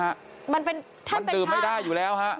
มันเป็นท่านเป็นท่านดื่มไม่ได้อยู่แล้วครับ